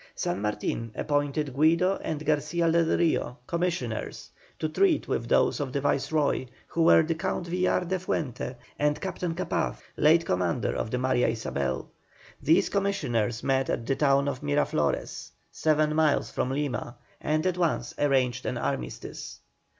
San Martin appointed Guido and Garcia del Rio commissioners to treat with those of the Viceroy, who were the Count Villar de Fuente and Captain Capaz, late commander of the Maria Isabel. These commissioners met at the town of Miraflores, seven miles from Lima, and at once arranged an armistice.